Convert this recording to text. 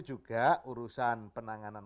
juga urusan penanganan